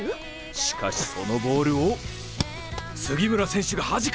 しかしそのボールを杉村選手がはじく！